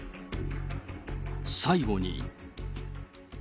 最後に。